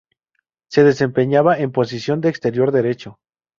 Se desempeñaba en posición de exterior derecho.